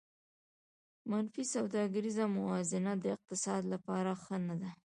منفي سوداګریزه موازنه د اقتصاد لپاره ښه نه ده